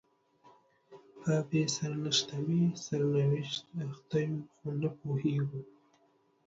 په بې سرنوشته سرنوشت اخته یو خو نه پوهیږو